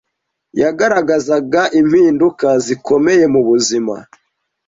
yagaragazaga impinduka zikomeye mubuzima